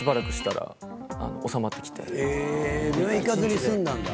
病院行かずに済んだんだ。